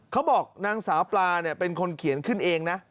เขาบอกนางสาวปลาเป็นคนเขียนขึ้นเองนะ